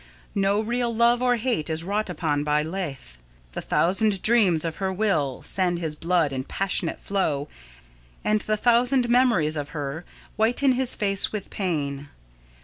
No real love or hate is wrought upon by Lethe. The thousand dreams of her will send his blood in passionate flow and the thousand memories of her whiten his face with pain.